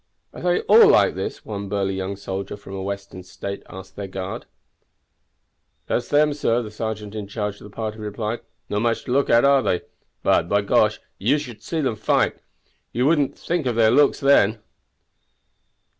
"Are they all like this?" one burly young soldier from a western state asked their guard. "That's them, sir," the sergeant in charge of the party replied. "Not much to look at, are they? But, by gosh, you should see them fight! You wouldn't think of their looks then."